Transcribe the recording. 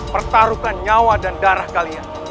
pertaruhkan nyawa dan darah kalian